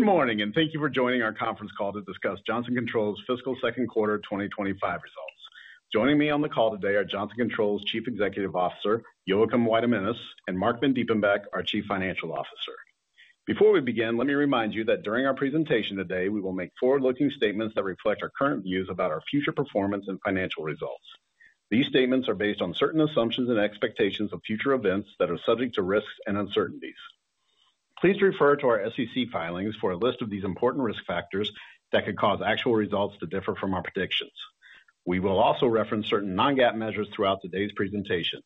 Good morning, and thank you for joining our conference call to discuss Johnson Controls' fiscal second quarter 2025 results. Joining me on the call today are Johnson Controls' Chief Executive Officer, Joakim Weidemanis, and Marc Vandiepenbeeck, our Chief Financial Officer. Before we begin, let me remind you that during our presentation today, we will make forward-looking statements that reflect our current views about our future performance and financial results. These statements are based on certain assumptions and expectations of future events that are subject to risks and uncertainties. Please refer to our SEC filings for a list of these important risk factors that could cause actual results to differ from our predictions. We will also reference certain non-GAAP measures throughout today's presentation.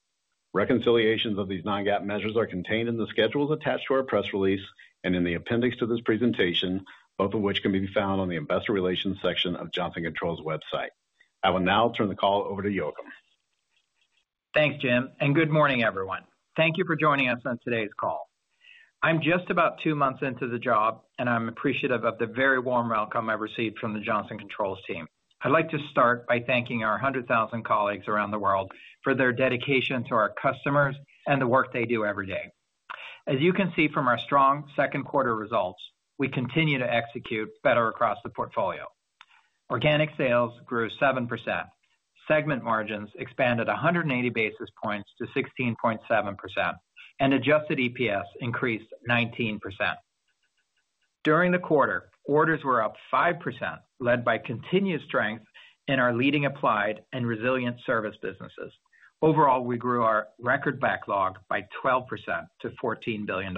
Reconciliations of these non-GAAP measures are contained in the schedules attached to our press release and in the appendix to this presentation, both of which can be found on the Investor Relations section of Johnson Controls' website. I will now turn the call over to Joakim. Thanks, Jim, and good morning, everyone. Thank you for joining us on today's call. I'm just about two months into the job, and I'm appreciative of the very warm welcome I've received from the Johnson Controls team. I'd like to start by thanking our 100,000 colleagues around the world for their dedication to our customers and the work they do every day. As you can see from our strong second quarter results, we continue to execute better across the portfolio. Organic sales grew 7%, segment margins expanded 180 basis points to 16.7%, and adjusted EPS increased 19%. During the quarter, orders were up 5%, led by continued strength in our leading applied and resilient service businesses. Overall, we grew our record backlog by 12% to $14 billion.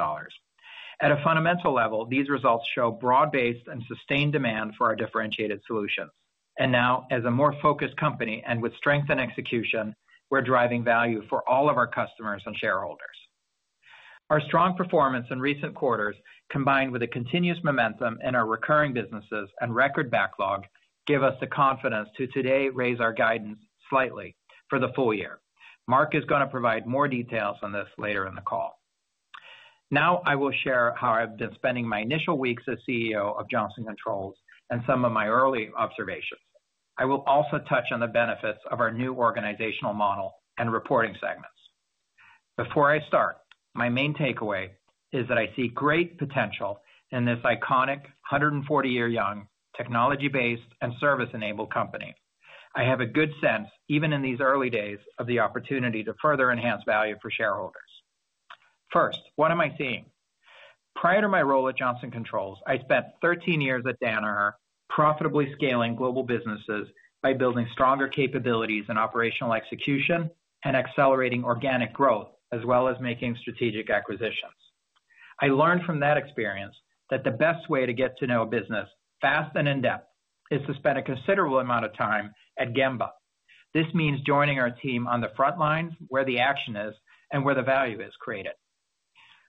At a fundamental level, these results show broad-based and sustained demand for our differentiated solutions. Now, as a more focused company and with strength in execution, we're driving value for all of our customers and shareholders. Our strong performance in recent quarters, combined with the continuous momentum in our recurring businesses and record backlog, give us the confidence to today raise our guidance slightly for the full year. Marc is going to provide more details on this later in the call. Now, I will share how I've been spending my initial weeks as CEO of Johnson Controls and some of my early observations. I will also touch on the benefits of our new organizational model and reporting segments. Before I start, my main takeaway is that I see great potential in this iconic 140-year-young, technology-based, and service-enabled company. I have a good sense, even in these early days, of the opportunity to further enhance value for shareholders. First, what am I seeing? Prior to my role at Johnson Controls, I spent 13 years at Danaher profitably scaling global businesses by building stronger capabilities in operational execution and accelerating organic growth, as well as making strategic acquisitions. I learned from that experience that the best way to get to know a business fast and in-depth is to spend a considerable amount of time at Gemba. This means joining our team on the front lines, where the action is and where the value is created.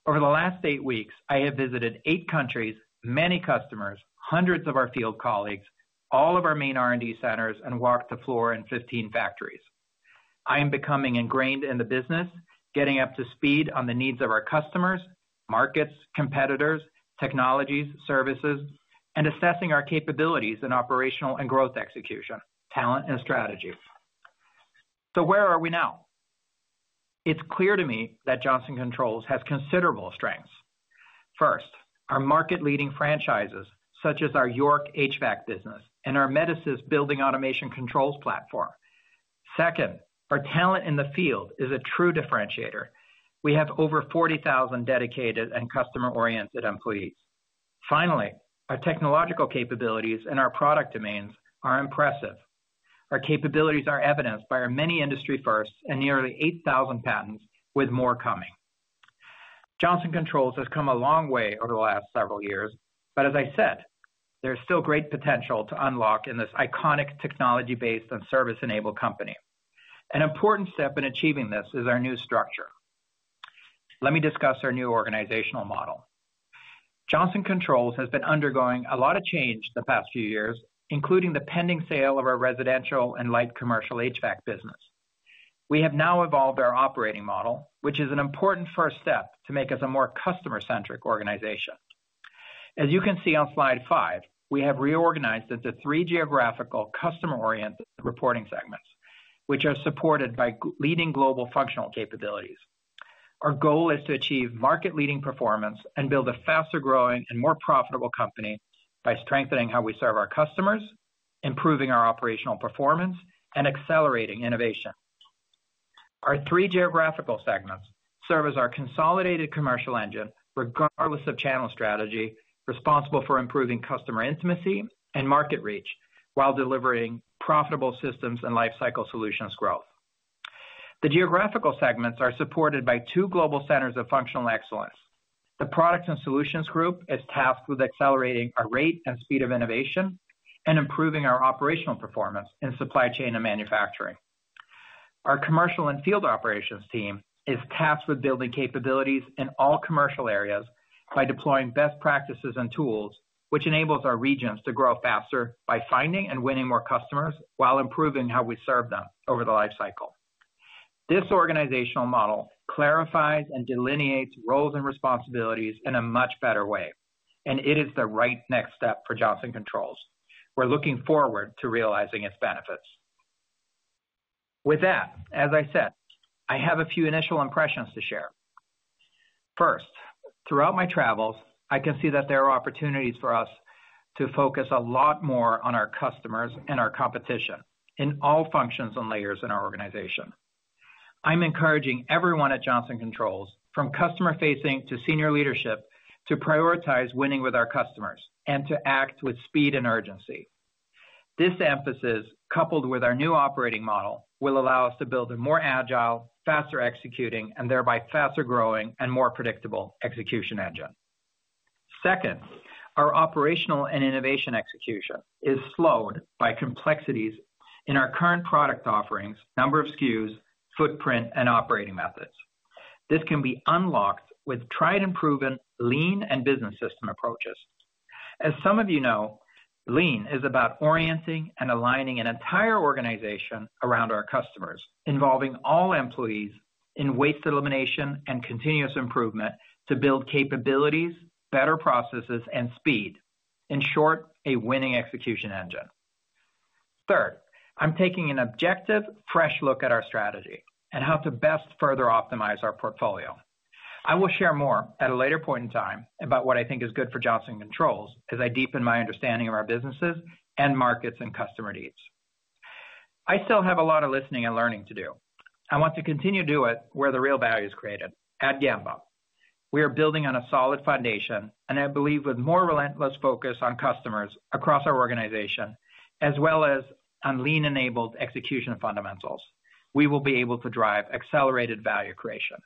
Over the last eight weeks, I have visited eight countries, many customers, hundreds of our field colleagues, all of our main R&D centers, and walked the floor in 15 factories. I am becoming ingrained in the business, getting up to speed on the needs of our customers, markets, competitors, technologies, services, and assessing our capabilities in operational and growth execution, talent, and strategy. Where are we now? It's clear to me that Johnson Controls has considerable strengths. First, our market-leading franchises, such as our York HVAC business and our Metasys building automation controls platform. Second, our talent in the field is a true differentiator. We have over 40,000 dedicated and customer-oriented employees. Finally, our technological capabilities and our product demands are impressive. Our capabilities are evidenced by our many industry firsts and nearly 8,000 patents, with more coming. Johnson Controls has come a long way over the last several years, but as I said, there is still great potential to unlock in this iconic technology-based and service-enabled company. An important step in achieving this is our new structure. Let me discuss our new organizational model. Johnson Controls has been undergoing a lot of change the past few years, including the pending sale of our residential and light commercial HVAC business. We have now evolved our operating model, which is an important first step to make us a more customer-centric organization. As you can see on slide five, we have reorganized into three geographical customer-oriented reporting segments, which are supported by leading global functional capabilities. Our goal is to achieve market-leading performance and build a faster-growing and more profitable company by strengthening how we serve our customers, improving our operational performance, and accelerating innovation. Our three geographical segments serve as our consolidated commercial engine, regardless of channel strategy, responsible for improving customer intimacy and market reach while delivering profitable systems and lifecycle solutions growth. The geographical segments are supported by two global centers of functional excellence. The products and solutions group is tasked with accelerating our rate and speed of innovation and improving our operational performance in supply chain and manufacturing. Our commercial and field operations team is tasked with building capabilities in all commercial areas by deploying best practices and tools, which enables our regions to grow faster by finding and winning more customers while improving how we serve them over the lifecycle. This organizational model clarifies and delineates roles and responsibilities in a much better way, and it is the right next step for Johnson Controls. We're looking forward to realizing its benefits. With that, as I said, I have a few initial impressions to share. First, throughout my travels, I can see that there are opportunities for us to focus a lot more on our customers and our competition in all functions and layers in our organization. I'm encouraging everyone at Johnson Controls, from customer-facing to senior leadership, to prioritize winning with our customers and to act with speed and urgency. This emphasis, coupled with our new operating model, will allow us to build a more agile, faster-executing, and thereby faster-growing and more predictable execution engine. Second, our operational and innovation execution is slowed by complexities in our current product offerings, number of SKUs, footprint, and operating methods. This can be unlocked with tried-and-proven lean and business system approaches. As some of you know, lean is about orienting and aligning an entire organization around our customers, involving all employees in waste elimination and continuous improvement to build capabilities, better processes, and speed. In short, a winning execution engine. Third, I'm taking an objective, fresh look at our strategy and how to best further optimize our portfolio. I will share more at a later point in time about what I think is good for Johnson Controls as I deepen my understanding of our businesses and markets and customer needs. I still have a lot of listening and learning to do. I want to continue to do it where the real value is created at Gemba. We are building on a solid foundation, and I believe with more relentless focus on customers across our organization, as well as on lean-enabled execution fundamentals, we will be able to drive accelerated value creation.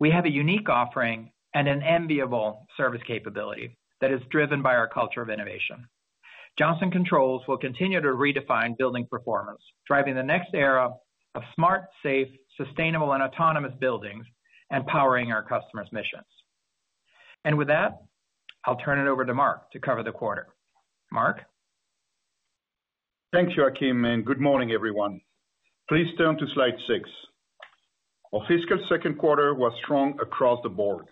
We have a unique offering and an enviable service capability that is driven by our culture of innovation. Johnson Controls will continue to redefine building performance, driving the next era of smart, safe, sustainable, and autonomous buildings and powering our customers' missions. With that, I'll turn it over to Marc to cover the quarter. Marc. Thanks, Joakim, and good morning, everyone. Please turn to slide six. Our fiscal second quarter was strong across the board.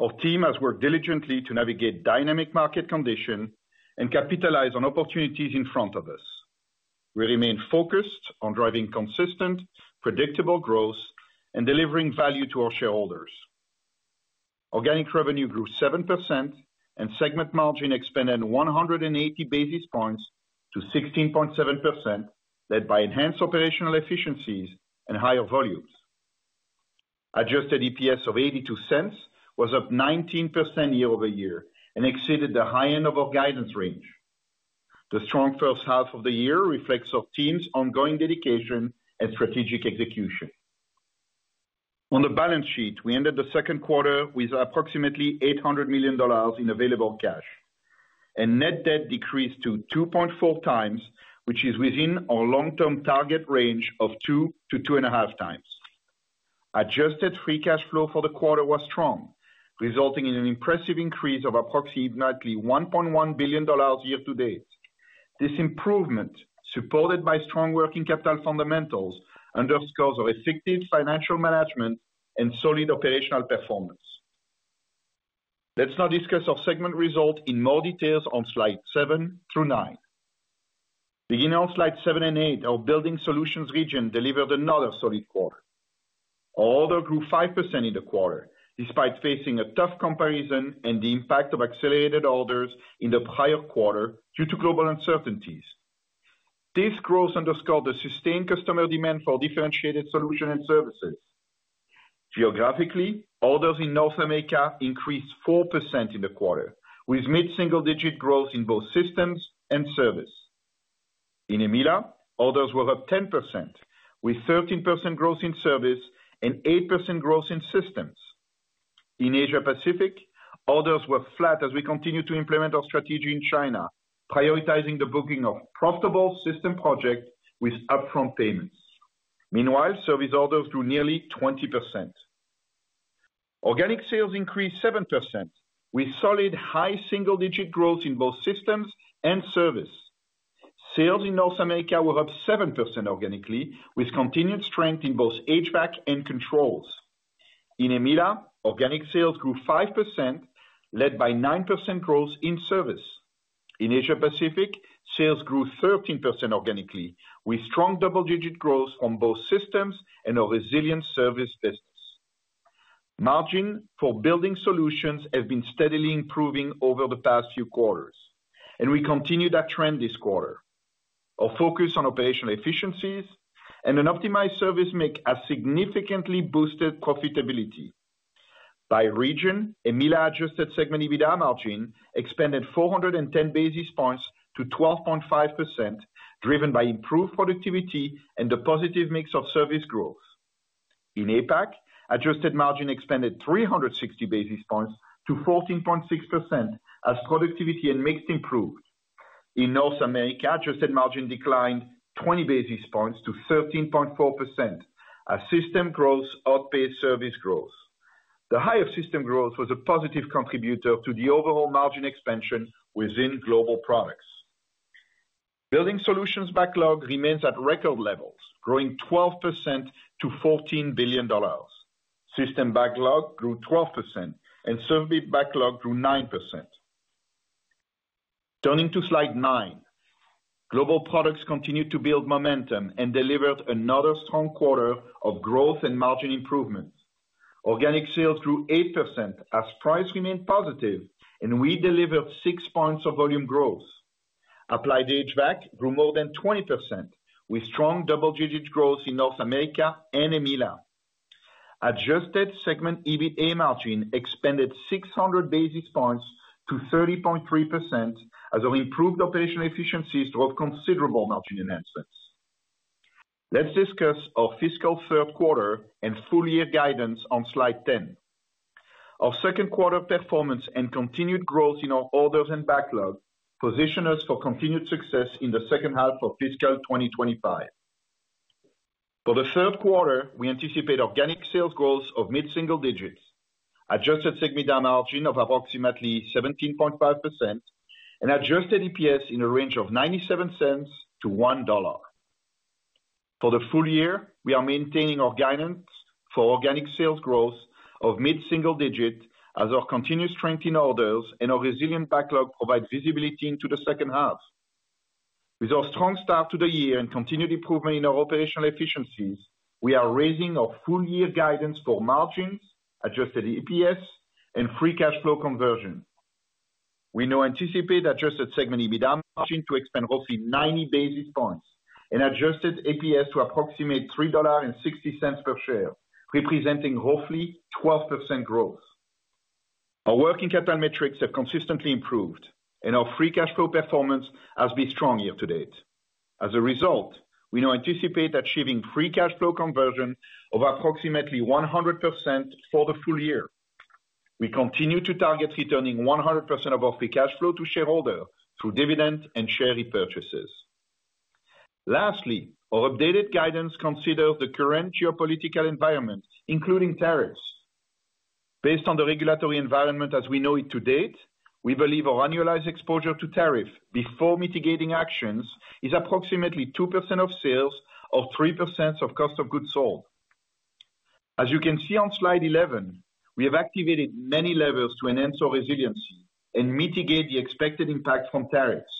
Our team has worked diligently to navigate dynamic market conditions and capitalize on opportunities in front of us. We remain focused on driving consistent, predictable growth and delivering value to our shareholders. Organic revenue grew 7%, and segment margin expanded 180 basis points to 16.7%, led by enhanced operational efficiencies and higher volumes. Adjusted EPS of $0.82 was up 19% year-over-year and exceeded the high end of our guidance range. The strong first half of the year reflects our team's ongoing dedication and strategic execution. On the balance sheet, we ended the second quarter with approximately $800 million in available cash. Net debt decreased to 2.4 times, which is within our long-term target range of 2-2.5 times. Adjusted free cash flow for the quarter was strong, resulting in an impressive increase of approximately $1.1 billion year-to-date. This improvement, supported by strong working capital fundamentals, underscores our effective financial management and solid operational performance. Let's now discuss our segment result in more details on slides seven through nine. Beginning on slides seven and eight, our building solutions region delivered another solid quarter. Our order grew 5% in the quarter, despite facing a tough comparison and the impact of accelerated orders in the prior quarter due to global uncertainties. This growth underscored the sustained customer demand for differentiated solutions and services. Geographically, orders in North America increased 4% in the quarter, with mid-single-digit growth in both systems and service. In EMEALA, orders were up 10%, with 13% growth in service and 8% growth in systems. In Asia-Pacific, orders were flat as we continued to implement our strategy in China, prioritizing the booking of profitable system projects with upfront payments. Meanwhile, service orders grew nearly 20%. Organic sales increased 7%, with solid high single-digit growth in both systems and service. Sales in North America were up 7% organically, with continued strength in both HVAC and controls. In EMEALA, organic sales grew 5%, led by 9% growth in service. In Asia-Pacific, sales grew 13% organically, with strong double-digit growth from both systems and our resilient service business. Margin for building solutions has been steadily improving over the past few quarters, and we continue that trend this quarter. Our focus on operational efficiencies and an optimized service mix has significantly boosted profitability. By region, EMEALA adjusted segment EBITDA margin expanded 410 basis points to 12.5%, driven by improved productivity and the positive mix of service growth. In APAC, adjusted margin expanded 360 basis points to 14.6%, as productivity and mix improved. In North America, adjusted margin declined 20 basis points to 13.4%, as system growth outpaced service growth. The higher system growth was a positive contributor to the overall margin expansion within global products. Building solutions backlog remains at record levels, growing 12% to $14 billion. System backlog grew 12%, and service backlog grew 9%. Turning to slide nine, global products continued to build momentum and delivered another strong quarter of growth and margin improvement. Organic sales grew 8%, as price remained positive, and we delivered 6 points of volume growth. Applied HVAC grew more than 20%, with strong double-digit growth in North America and EMEALA and Latin America. Adjusted segment EBITDA margin expanded 600 basis points to 30.3%, as our improved operational efficiencies drove considerable margin enhancements. Let's discuss our fiscal third quarter and full-year guidance on slide ten. Our second quarter performance and continued growth in our orders and backlog position us for continued success in the second half of fiscal 2025. For the third quarter, we anticipate organic sales growth of mid-single digits, adjusted segment margin of approximately 17.5%, and adjusted EPS in a range of $0.97-$1. For the full year, we are maintaining our guidance for organic sales growth of mid-single digit, as our continued strength in orders and our resilient backlog provide visibility into the second half. With our strong start to the year and continued improvement in our operational efficiencies, we are raising our full-year guidance for margins, adjusted EPS, and free cash flow conversion. We now anticipate adjusted segment EBITDA margin to expand roughly 90 basis points and adjusted EPS to approximate $3.60 per share, representing roughly 12% growth. Our working capital metrics have consistently improved, and our free cash flow performance has been strong year-to-date. As a result, we now anticipate achieving free cash flow conversion of approximately 100% for the full year. We continue to target returning 100% of our free cash flow to shareholders through dividend and share repurchases. Lastly, our updated guidance considers the current geopolitical environment, including tariffs. Based on the regulatory environment as we know it to date, we believe our annualized exposure to tariffs before mitigating actions is approximately 2% of sales or 3% of cost of goods sold. As you can see on slide 11, we have activated many levers to enhance our resiliency and mitigate the expected impact from tariffs.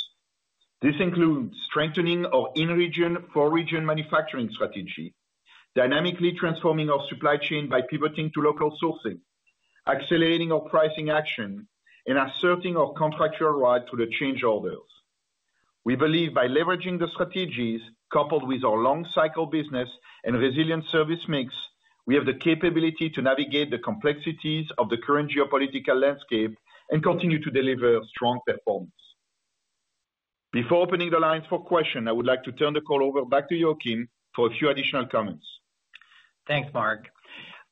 This includes strengthening our in-region, for-region manufacturing strategy, dynamically transforming our supply chain by pivoting to local sourcing, accelerating our pricing action, and asserting our contractual right to change orders. We believe by leveraging the strategies coupled with our long-cycle business and resilient service mix, we have the capability to navigate the complexities of the current geopolitical landscape and continue to deliver strong performance. Before opening the lines for questions, I would like to turn the call over back to Joakim for a few additional comments. Thanks, Marc.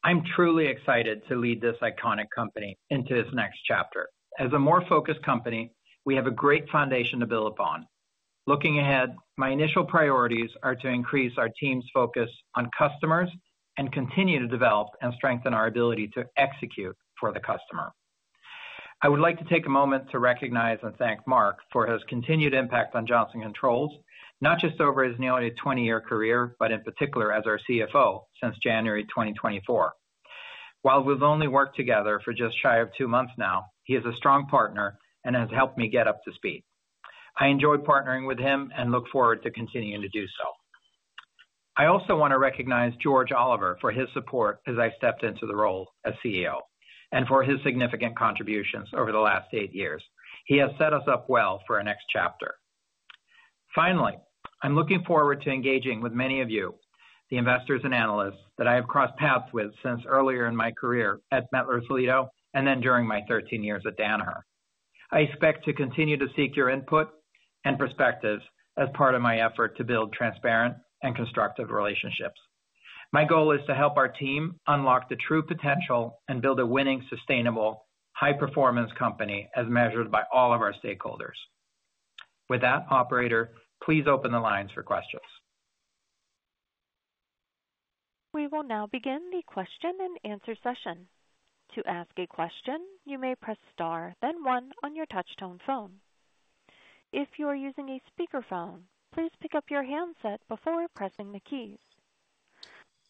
I'm truly excited to lead this iconic company into its next chapter. As a more focused company, we have a great foundation to build upon. Looking ahead, my initial priorities are to increase our team's focus on customers and continue to develop and strengthen our ability to execute for the customer. I would like to take a moment to recognize and thank Marc for his continued impact on Johnson Controls, not just over his nearly 20-year career, but in particular as our CFO since January 2024. While we've only worked together for just shy of two months now, he is a strong partner and has helped me get up to speed. I enjoy partnering with him and look forward to continuing to do so. I also want to recognize George Oliver for his support as I stepped into the role as CEO and for his significant contributions over the last eight years. He has set us up well for our next chapter. Finally, I'm looking forward to engaging with many of you, the investors and analysts that I have crossed paths with since earlier in my career at Mettler-Toledo and then during my 13 years at Danaher. I expect to continue to seek your input and perspectives as part of my effort to build transparent and constructive relationships. My goal is to help our team unlock the true potential and build a winning, sustainable, high-performance company as measured by all of our stakeholders. With that, Operator, please open the lines for questions. We will now begin the question and answer session. To ask a question, you may press star, then one on your touch-tone phone. If you are using a speakerphone, please pick up your handset before pressing the keys.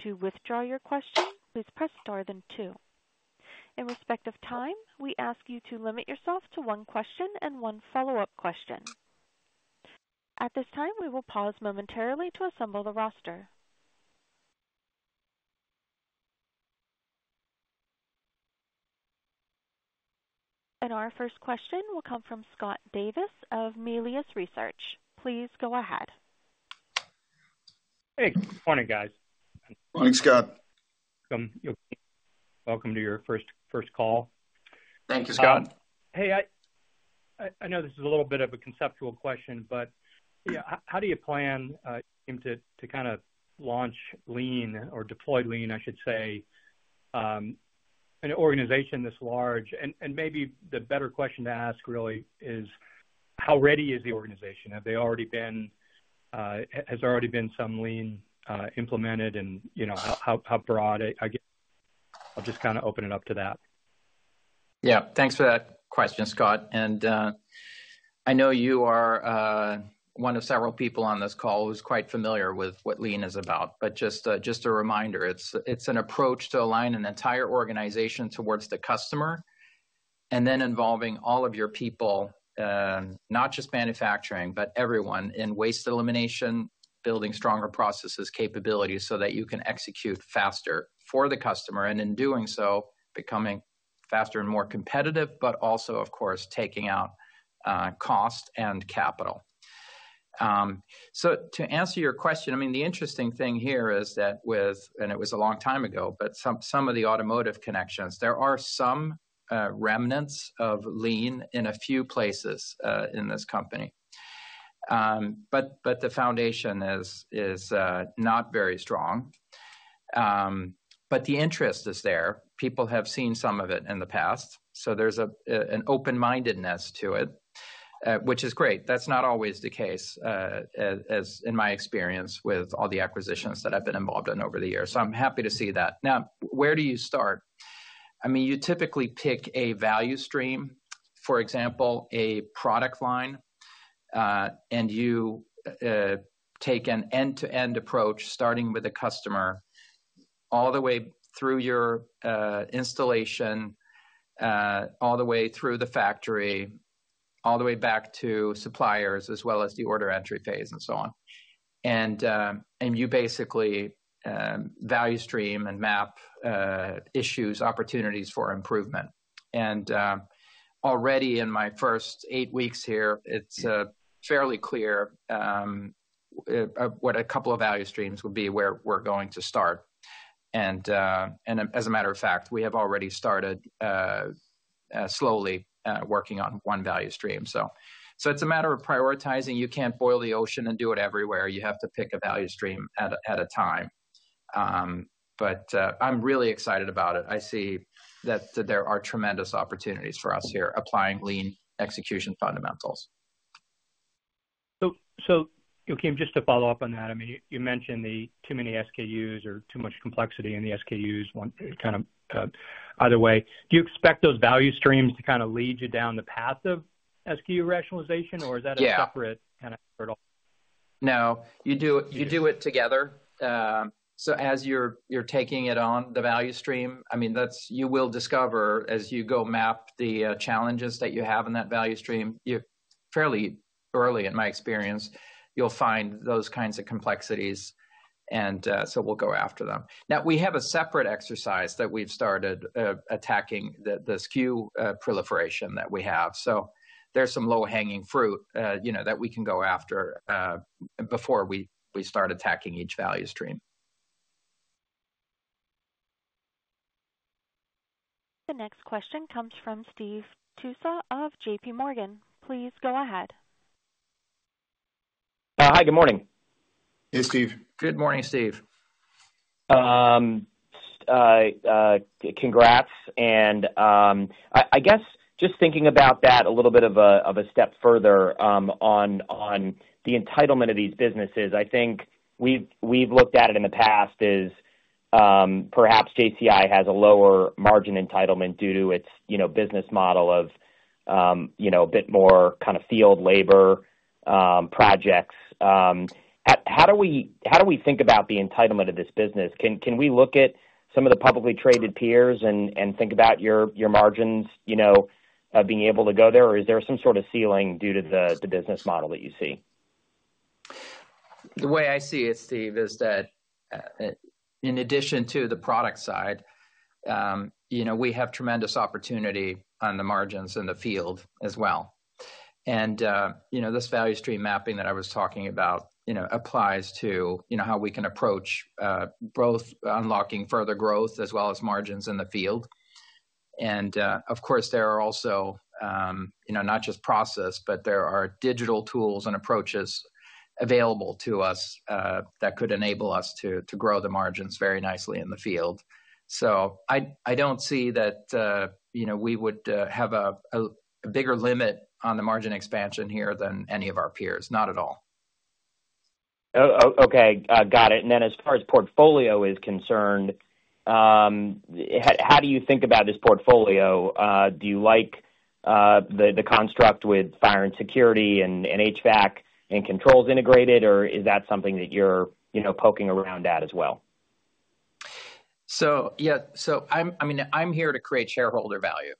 To withdraw your question, please press star then two. In respect of time, we ask you to limit yourself to one question and one follow-up question. At this time, we will pause momentarily to assemble the roster. Our first question will come from Scott Davis of Melius Research. Please go ahead. Hey. Good morning, guys. Morning, Scott. Welcome to your first call. Thank you, Scott. Hey, I know this is a little bit of a conceptual question, but how do you plan to kind of launch Lean, or deploy Lean, I should say, in an organization this large? Maybe the better question to ask really is, how ready is the organization? Have they already been—has there already been some Lean implemented? How broad? I'll just kind of open it up to that. Yeah. Thanks for that question, Scott. I know you are one of several people on this call who's quite familiar with what Lean is about. Just a reminder, it's an approach to align an entire organization towards the customer, and then involving all of your people, not just manufacturing, but everyone in waste elimination, building stronger processes, capabilities so that you can execute faster for the customer. In doing so, becoming faster and more competitive, but also, of course, taking out cost and capital. To answer your question, the interesting thing here is that—it was a long time ago—some of the automotive connections, there are some remnants of Lean in a few places in this company. The foundation is not very strong. The interest is there. People have seen some of it in the past. There is an open-mindedness to it, which is great. That's not always the case, in my experience with all the acquisitions that I've been involved in over the years. I'm happy to see that. Now, where do you start? I mean, you typically pick a value stream, for example, a product line, and you take an end-to-end approach, starting with the customer all the way through your installation, all the way through the factory, all the way back to suppliers, as well as the order entry phase, and so on. You basically value stream and map issues, opportunities for improvement. Already in my first eight weeks here, it's fairly clear what a couple of value streams would be where we're going to start. As a matter of fact, we have already started slowly working on one value stream. It's a matter of prioritizing. You can't boil the ocean and do it everywhere. You have to pick a value stream at a time. I am really excited about it. I see that there are tremendous opportunities for us here applying Lean execution fundamentals. Joakim, just to follow up on that, I mean, you mentioned too many SKUs or too much complexity in the SKUs kind of either way. Do you expect those value streams to kind of lead you down the path of SKU rationalization, or is that a separate kind of hurdle? No. You do it together. As you're taking it on, the value stream, I mean, you will discover as you go map the challenges that you have in that value stream fairly early. In my experience, you'll find those kinds of complexities. We will go after them. We have a separate exercise that we've started attacking the SKU proliferation that we have. There is some low-hanging fruit that we can go after before we start attacking each value stream. The next question comes from Steve Toussaint of JPMorgan. Please go ahead. Hi. Good morning. Hey, Steve. Good morning, Steve. Congrats. I guess just thinking about that a little bit of a step further on the entitlement of these businesses, I think we've looked at it in the past as perhaps JCI has a lower margin entitlement due to its business model of a bit more kind of field labor projects. How do we think about the entitlement of this business? Can we look at some of the publicly traded peers and think about your margins of being able to go there, or is there some sort of ceiling due to the business model that you see? The way I see it, Steve, is that in addition to the product side, we have tremendous opportunity on the margins in the field as well. This value stream mapping that I was talking about applies to how we can approach both unlocking further growth as well as margins in the field. Of course, there are also not just process, but there are digital tools and approaches available to us that could enable us to grow the margins very nicely in the field. I do not see that we would have a bigger limit on the margin expansion here than any of our peers. Not at all. Okay. Got it. As far as portfolio is concerned, how do you think about this portfolio? Do you like the construct with fire and security and HVAC and controls integrated, or is that something that you're poking around at as well? Yeah. I mean, I'm here to create shareholder value.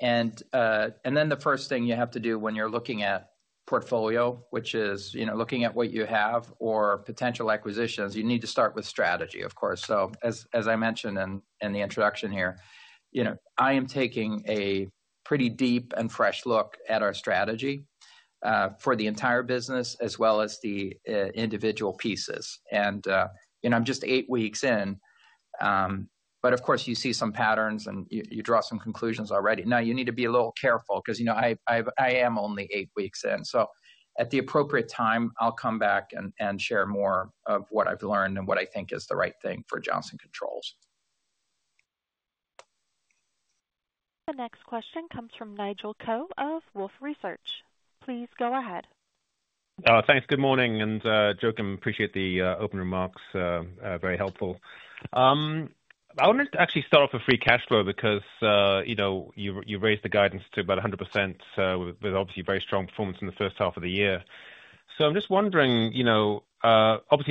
The first thing you have to do when you're looking at portfolio, which is looking at what you have or potential acquisitions, you need to start with strategy, of course. As I mentioned in the introduction here, I am taking a pretty deep and fresh look at our strategy for the entire business as well as the individual pieces. I'm just eight weeks in. Of course, you see some patterns and you draw some conclusions already. You need to be a little careful because I am only eight weeks in. At the appropriate time, I'll come back and share more of what I've learned and what I think is the right thing for Johnson Controls. The next question comes from Nigel Coe of Wolfe Research. Please go ahead. Thanks. Good morning. Joakim, appreciate the open remarks. Very helpful. I wanted to actually start off with free cash flow because you raised the guidance to about 100% with obviously very strong performance in the first half of the year. I am just wondering, obviously,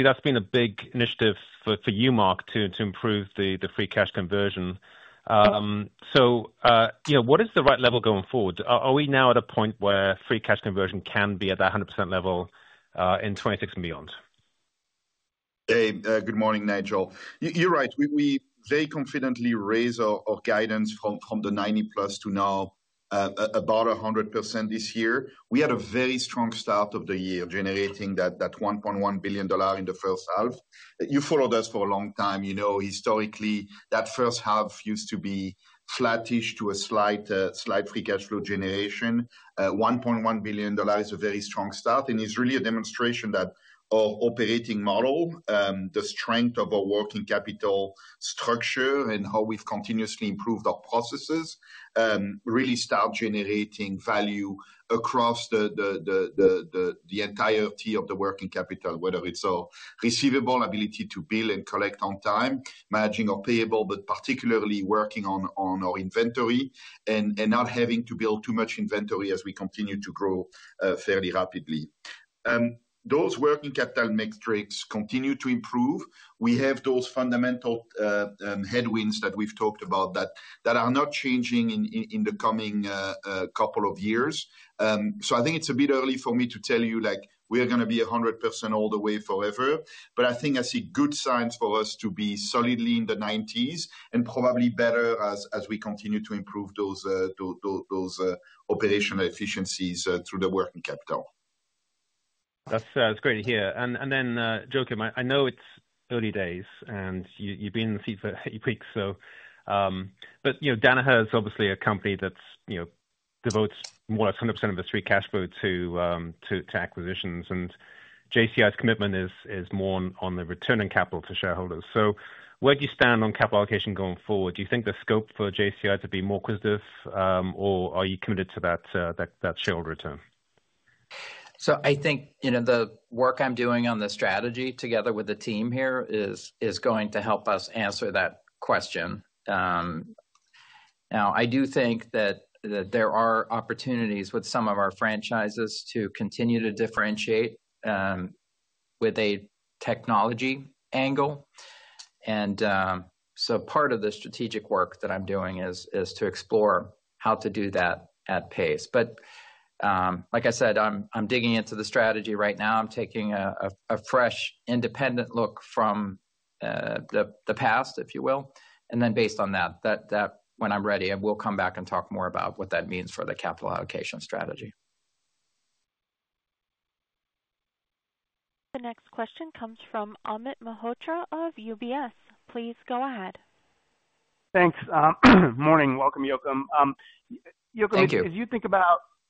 that has been a big initiative for you, Marc, to improve the free cash conversion. What is the right level going forward? Are we now at a point where free cash conversion can be at that 100% level in 2026 and beyond? Hey, good morning, Nigel. You're right. We very confidently raised our guidance from the 90-plus to now about 100% this year. We had a very strong start of the year generating that $1.1 billion in the first half. You followed us for a long time. Historically, that first half used to be flattish to a slight free cash flow generation. $1.1 billion is a very strong start. It is really a demonstration that our operating model, the strength of our working capital structure, and how we've continuously improved our processes really start generating value across the entirety of the working capital, whether it's our receivable ability to bill and collect on time, managing our payable, but particularly working on our inventory and not having to build too much inventory as we continue to grow fairly rapidly. Those working capital metrics continue to improve. We have those fundamental headwinds that we've talked about that are not changing in the coming couple of years. I think it's a bit early for me to tell you we're going to be 100% all the way forever. I think I see good signs for us to be solidly in the 90s and probably better as we continue to improve those operational efficiencies through the working capital. That's great to hear. Joakim, I know it's early days, and you've been in the seat for eight weeks. Danaher is obviously a company that devotes more or less 100% of its free cash flow to acquisitions. JCI's commitment is more on the return on capital to shareholders. Where do you stand on capital allocation going forward? Do you think there's scope for JCI to be more acquisitive, or are you committed to that shareholder return? I think the work I'm doing on the strategy together with the team here is going to help us answer that question. I do think that there are opportunities with some of our franchises to continue to differentiate with a technology angle. Part of the strategic work that I'm doing is to explore how to do that at pace. Like I said, I'm digging into the strategy right now. I'm taking a fresh independent look from the past, if you will. Based on that, when I'm ready, I will come back and talk more about what that means for the capital allocation strategy. The next question comes from Amit Mehrotra of UBS. Please go ahead. Thanks. Good morning. Welcome, Joakim. Joakim,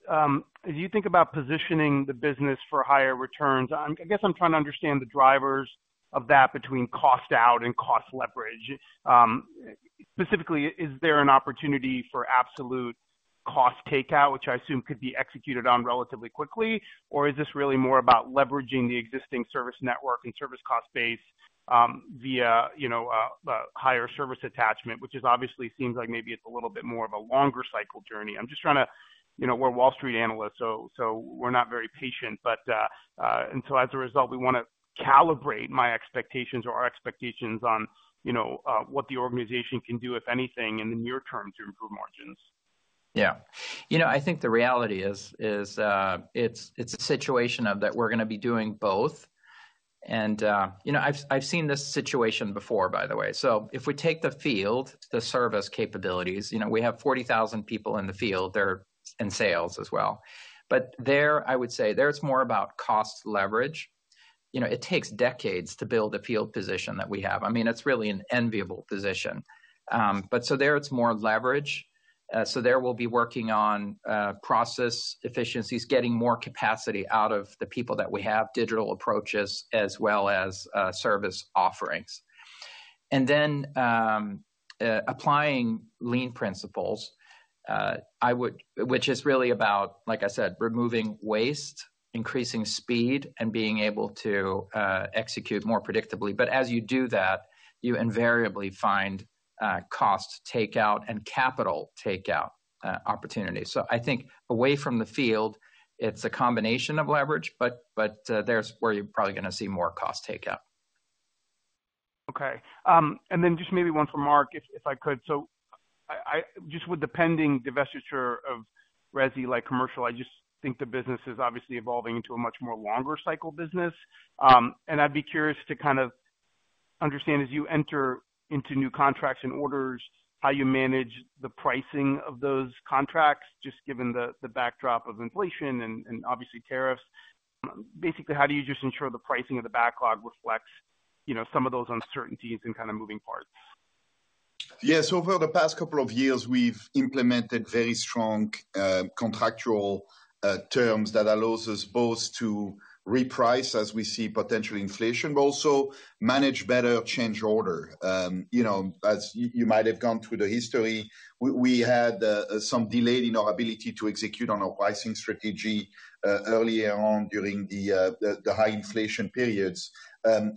as you think about positioning the business for higher returns, I guess I'm trying to understand the drivers of that between cost out and cost leverage. Specifically, is there an opportunity for absolute cost takeout, which I assume could be executed on relatively quickly, or is this really more about leveraging the existing service network and service cost base via a higher service attachment, which obviously seems like maybe it's a little bit more of a longer cycle journey? I'm just trying to—we're Wall Street analysts, so we're not very patient. As a result, we want to calibrate my expectations or our expectations on what the organization can do, if anything, in the near term to improve margins. Yeah. I think the reality is it's a situation that we're going to be doing both. I've seen this situation before, by the way. If we take the field, the service capabilities, we have 40,000 people in the field. They're in sales as well. There, I would say, it's more about cost leverage. It takes decades to build a field position that we have. I mean, it's really an enviable position. There, it's more leverage. We'll be working on process efficiencies, getting more capacity out of the people that we have, digital approaches as well as service offerings. Applying Lean principles, which is really about, like I said, removing waste, increasing speed, and being able to execute more predictably. As you do that, you invariably find cost takeout and capital takeout opportunities. I think away from the field, it's a combination of leverage, but there's where you're probably going to see more cost takeout. Okay. And then just maybe one from Marc, if I could. Just with the pending divestiture of Resi Commercial, I just think the business is obviously evolving into a much more longer cycle business. I would be curious to kind of understand as you enter into new contracts and orders, how you manage the pricing of those contracts, just given the backdrop of inflation and obviously tariffs. Basically, how do you just ensure the pricing of the backlog reflects some of those uncertainties and kind of moving parts? Yeah. Over the past couple of years, we've implemented very strong contractual terms that allow us both to reprice as we see potential inflation, but also manage better change order. As you might have gone through the history, we had some delay in our ability to execute on our pricing strategy earlier on during the high inflation periods.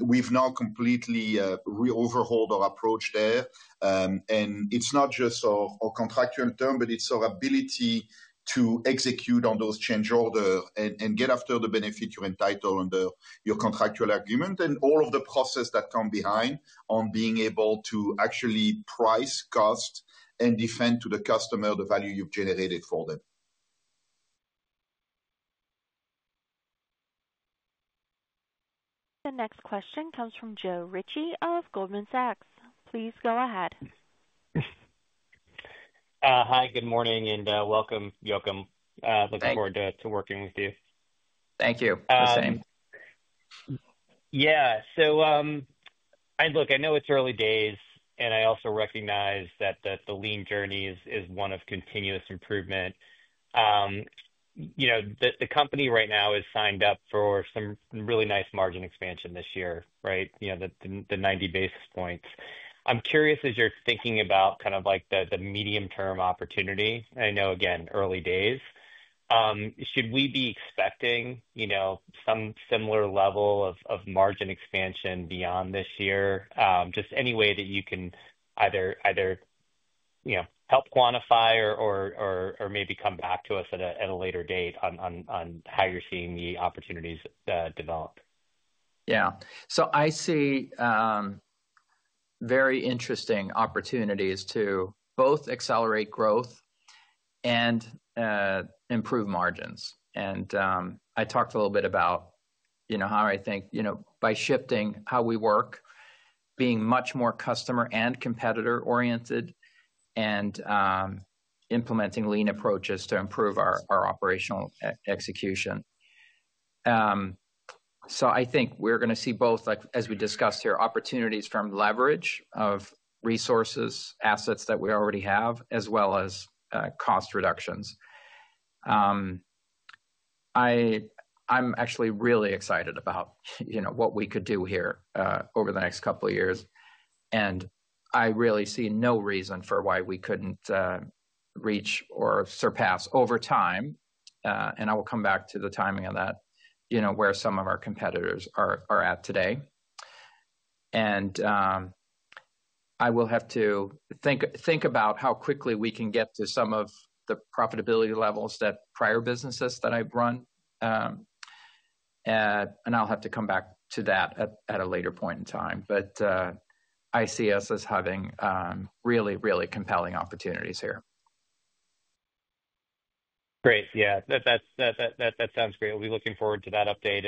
We've now completely re-overhauled our approach there. It's not just our contractual term, but it's our ability to execute on those change orders and get after the benefit you're entitled under your contractual agreement and all of the process that comes behind on being able to actually price, cost, and defend to the customer the value you've generated for them. The next question comes from Joe Ritchie of Goldman Sachs. Please go ahead. Hi. Good morning. Welcome, Joakim. Looking forward to working with you. Thank you. The same. Yeah. Look, I know it's early days, and I also recognize that the Lean journey is one of continuous improvement. The company right now is signed up for some really nice margin expansion this year, right? The 90 basis points. I'm curious as you're thinking about kind of the medium-term opportunity. I know, again, early days. Should we be expecting some similar level of margin expansion beyond this year? Just any way that you can either help quantify or maybe come back to us at a later date on how you're seeing the opportunities develop? Yeah. I see very interesting opportunities to both accelerate growth and improve margins. I talked a little bit about how I think by shifting how we work, being much more customer and competitor-oriented, and implementing Lean approaches to improve our operational execution. I think we're going to see both, as we discussed here, opportunities from leverage of resources, assets that we already have, as well as cost reductions. I'm actually really excited about what we could do here over the next couple of years. I really see no reason for why we couldn't reach or surpass over time, and I will come back to the timing of that, where some of our competitors are at today. I will have to think about how quickly we can get to some of the profitability levels that prior businesses that I've run. I'll have to come back to that at a later point in time. I see us as having really, really compelling opportunities here. Great. Yeah. That sounds great. We will be looking forward to that update.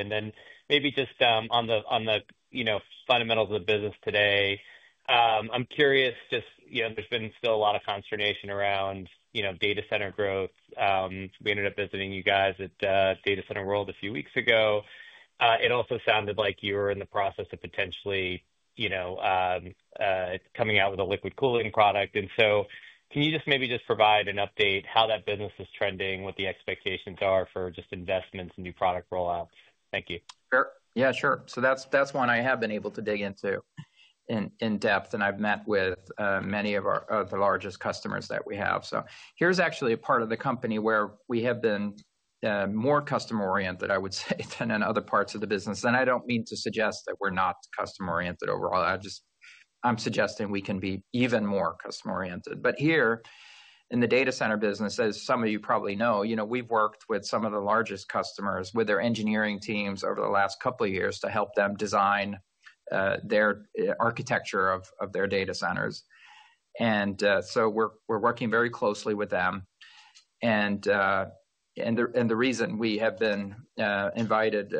Maybe just on the fundamentals of the business today, I am curious, just there has been still a lot of consternation around data center growth. We ended up visiting you guys at Data Center World a few weeks ago. It also sounded like you were in the process of potentially coming out with a liquid cooling product. Can you just maybe provide an update how that business is trending, what the expectations are for investments and new product rollouts? Thank you. Yeah, sure. That's one I have been able to dig into in depth, and I've met with many of the largest customers that we have. Here's actually a part of the company where we have been more customer-oriented, I would say, than in other parts of the business. I don't mean to suggest that we're not customer-oriented overall. I'm suggesting we can be even more customer-oriented. Here in the data center business, as some of you probably know, we've worked with some of the largest customers with their engineering teams over the last couple of years to help them design their architecture of their data centers. We're working very closely with them. The reason we have been invited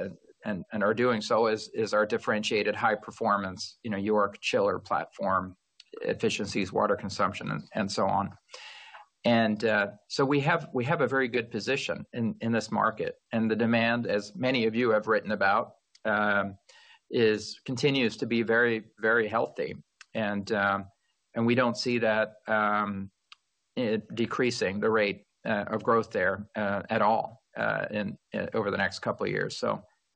and are doing so is our differentiated high-performance York Chiller platform, efficiencies, water consumption, and so on. We have a very good position in this market. The demand, as many of you have written about, continues to be very, very healthy. We do not see that decreasing, the rate of growth there at all over the next couple of years.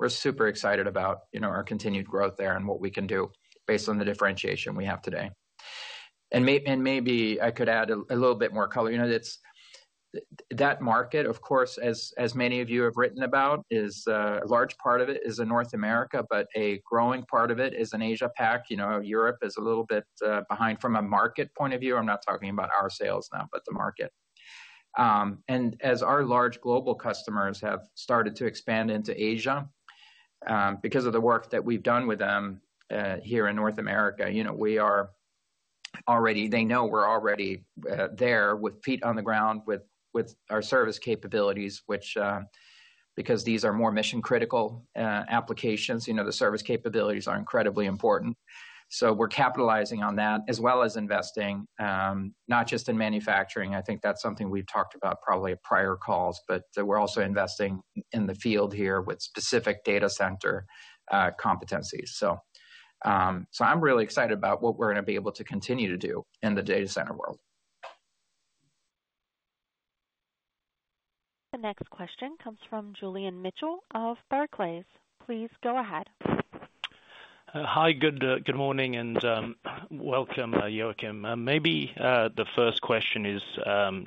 We are super excited about our continued growth there and what we can do based on the differentiation we have today. Maybe I could add a little bit more color. That market, of course, as many of you have written about, a large part of it is in North America, but a growing part of it is in AsiaPAC. Europe is a little bit behind from a market point of view. I am not talking about our sales now, but the market. As our large global customers have started to expand into Asia, because of the work that we've done with them here in North America, they know we're already there with feet on the ground with our service capabilities, which, because these are more mission-critical applications, the service capabilities are incredibly important. We are capitalizing on that as well as investing not just in manufacturing. I think that's something we've talked about probably at prior calls, but we're also investing in the field here with specific data center competencies. I am really excited about what we're going to be able to continue to do in the data center world. The next question comes from Julian Mitchell of Barclays. Please go ahead. Hi. Good morning and welcome, Joakim. Maybe the first question is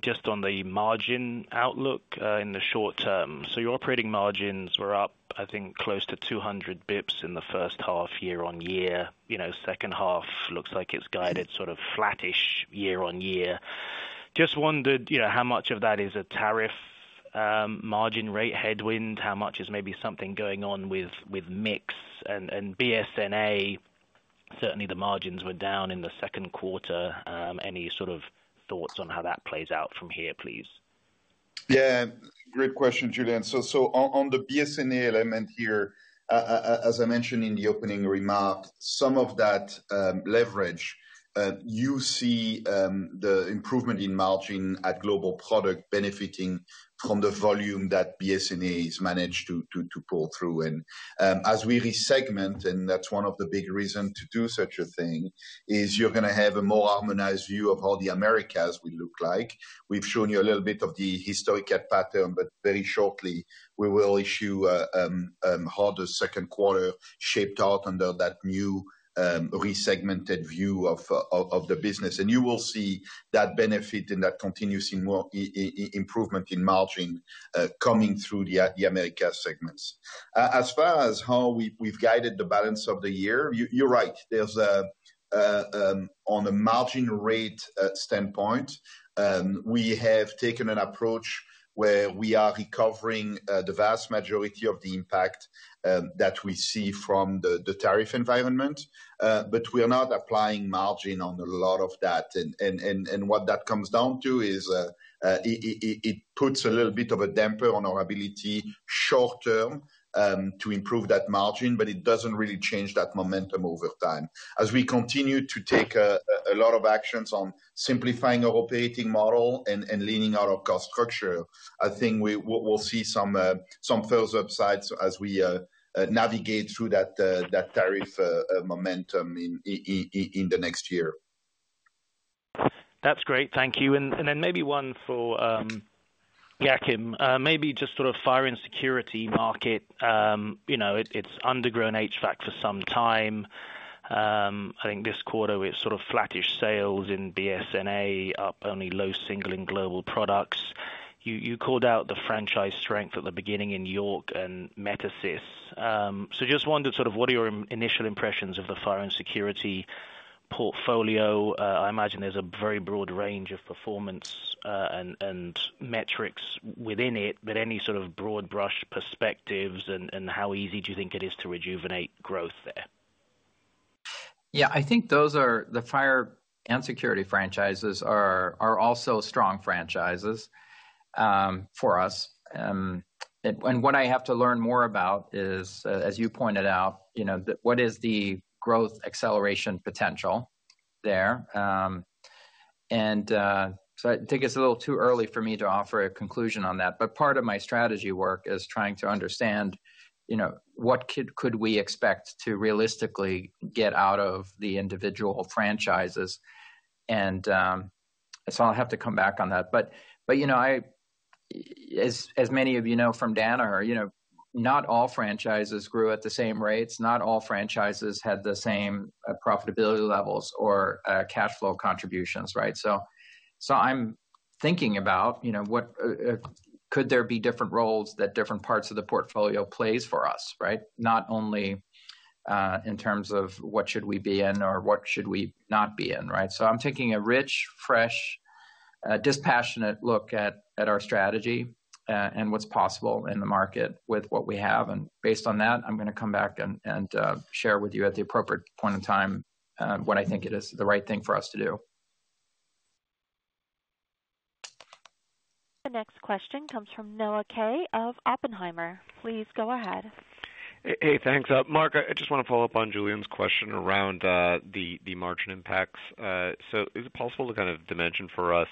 just on the margin outlook in the short term. So your operating margins were up, I think, close to 200 basis points in the first half year-on-year. Second half looks like it's guided sort of flattish year-on-year. Just wondered how much of that is a tariff margin rate headwind? How much is maybe something going on with mix and BSNA? Certainly, the margins were down in the second quarter. Any sort of thoughts on how that plays out from here, please? Yeah. Great question, Julian. On the BSNA element here, as I mentioned in the opening remark, some of that leverage, you see the improvement in margin at global product benefiting from the volume that BSNA has managed to pull through. As we resegment, and that's one of the big reasons to do such a thing, you're going to have a more harmonized view of how the Americas will look like. We've shown you a little bit of the historical pattern, but very shortly, we will issue a harder second quarter shaped out under that new resegmented view of the business. You will see that benefit and that continuous improvement in margin coming through the America segments. As far as how we've guided the balance of the year, you're right. On the margin rate standpoint, we have taken an approach where we are recovering the vast majority of the impact that we see from the tariff environment. We are not applying margin on a lot of that. What that comes down to is it puts a little bit of a damper on our ability short-term to improve that margin, but it does not really change that momentum over time. As we continue to take a lot of actions on simplifying our operating model and leaning out of cost structure, I think we will see some further upsides as we navigate through that tariff momentum in the next year. That's great. Thank you. Maybe one for Joakim. Maybe just sort of fire and security market. It's undergrown HVAC for some time. I think this quarter, we had sort of flattish sales in BSNA, up only low single and global products. You called out the franchise strength at the beginning in York and Metasys. I just wondered sort of what are your initial impressions of the fire and security portfolio. I imagine there's a very broad range of performance and metrics within it, but any sort of broad brush perspectives and how easy do you think it is to rejuvenate growth there? Yeah. I think the fire and security franchises are also strong franchises for us. What I have to learn more about is, as you pointed out, what is the growth acceleration potential there? I think it's a little too early for me to offer a conclusion on that. Part of my strategy work is trying to understand what could we expect to realistically get out of the individual franchises. I'll have to come back on that. As many of you know from Danaher, not all franchises grew at the same rates. Not all franchises had the same profitability levels or cash flow contributions, right? I'm thinking about could there be different roles that different parts of the portfolio play for us, right? Not only in terms of what should we be in or what should we not be in, right? I'm taking a rich, fresh, dispassionate look at our strategy and what's possible in the market with what we have. Based on that, I'm going to come back and share with you at the appropriate point in time what I think it is the right thing for us to do. The next question comes from Noah Kaye of Oppenheimer. Please go ahead. Hey, thanks. Marc, I just want to follow up on Julian's question around the margin impacts. Is it possible to kind of dimension for us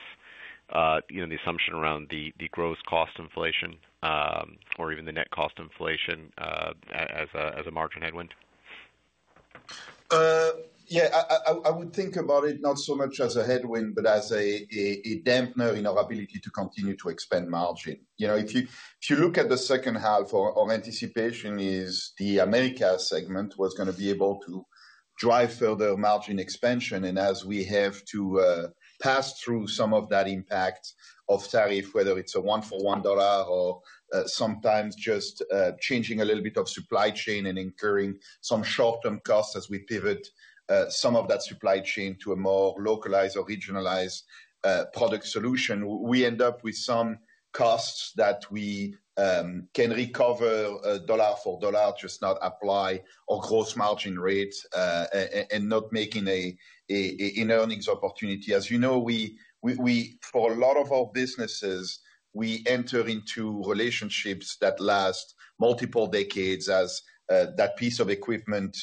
the assumption around the gross cost inflation or even the net cost inflation as a margin headwind? Yeah. I would think about it not so much as a headwind, but as a damper in our ability to continue to expand margin. If you look at the second half, our anticipation is the America segment was going to be able to drive further margin expansion. As we have to pass through some of that impact of tariff, whether it's a one-for-one dollar or sometimes just changing a little bit of supply chain and incurring some short-term costs as we pivot some of that supply chain to a more localized or regionalized product solution, we end up with some costs that we can recover dollar for dollar, just not apply our gross margin rate and not make an earnings opportunity. As you know, for a lot of our businesses, we enter into relationships that last multiple decades as that piece of equipment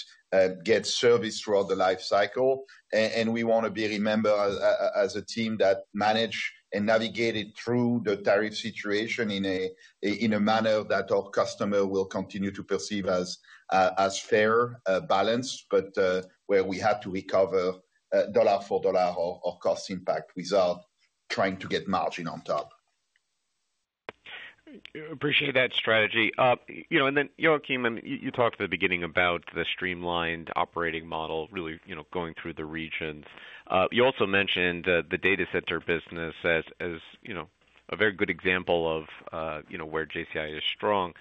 gets serviced throughout the life cycle. We want to be remembered as a team that managed and navigated through the tariff situation in a manner that our customer will continue to perceive as fair balance, but where we have to recover dollar for dollar our cost impact without trying to get margin on top. Appreciate that strategy. Joakim, you talked at the beginning about the streamlined operating model, really going through the regions. You also mentioned the data center business as a very good example of where JCI is strong.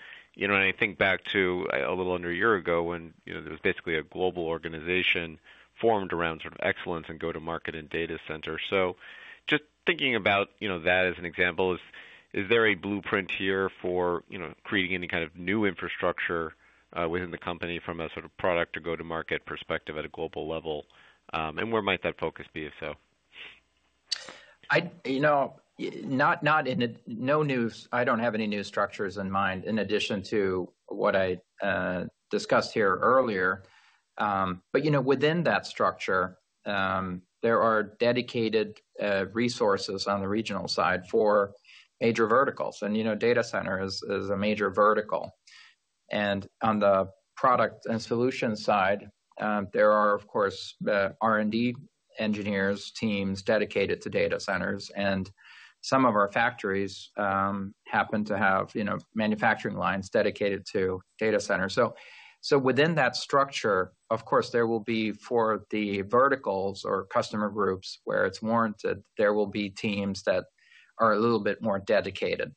I think back to a little under a year ago when there was basically a global organization formed around sort of excellence and go-to-market and data centers. Just thinking about that as an example, is there a blueprint here for creating any kind of new infrastructure within the company from a sort of product to go-to-market perspective at a global level? Where might that focus be, if so? Not in no news, I don't have any new structures in mind in addition to what I discussed here earlier. Within that structure, there are dedicated resources on the regional side for major verticals. Data center is a major vertical. On the product and solution side, there are, of course, R&D engineers' teams dedicated to data centers. Some of our factories happen to have manufacturing lines dedicated to data centers. Within that structure, of course, there will be for the verticals or customer groups where it's warranted, there will be teams that are a little bit more dedicated.